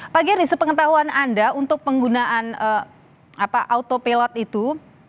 pak geri sepengetahuan anda untuk penggunaan autopilot itu